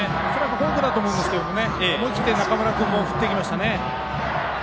フォークだと思いますが思い切って中村君も振っていきました。